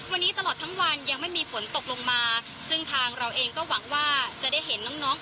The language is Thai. วันนี้ตลอดทั้งวันยังไม่มีฝนตกลงมาซึ่งทางเราเองก็หวังว่าจะได้เห็นน้องน้อง